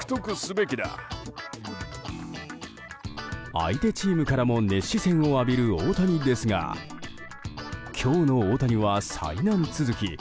相手チームからも熱視線を浴びる大谷ですが今日の大谷は災難続き。